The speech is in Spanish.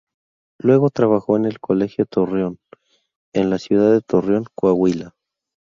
Luego trabajó en el Colegio Torreón, en la ciudad de Torreón, Coahuila.